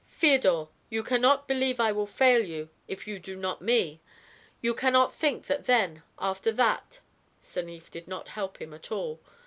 "Feodor, you can not believe I will fail you if you do not me? You can not think that then, after that " Stanief did not help him at all.